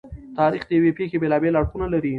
تاریخ د یوې پېښې بېلابېلې اړخونه لري.